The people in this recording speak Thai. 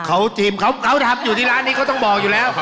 เขาทีมเขาทำอยู่ที่ร้านนี้เขาต้องบอกอยู่แล้ว